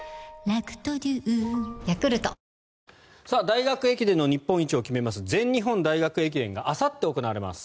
大学駅伝の日本一を決めます全日本大学駅伝があさって行われます。